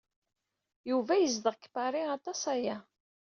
Yuba yezdeɣ deg Pari aṭas aya.